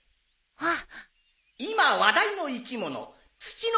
・あっ！